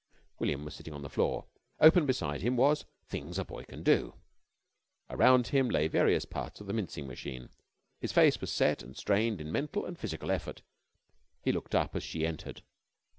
William was sitting on the floor. Open beside him was "Things a Boy Can Do." Around him lay various parts of the mincing machine. His face was set and strained in mental and physical effort. He looked up as she entered.